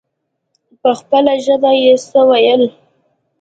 په خپله ژبه يې څه ويل.